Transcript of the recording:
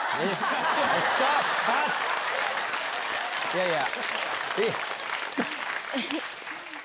いやいや。